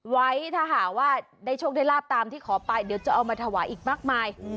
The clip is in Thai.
ไว้ถ้าหากว่าได้โชคได้ลาบตามที่ขอไปเดี๋ยวจะเอามาถวายอีกมากมาย